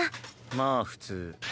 まあ普通。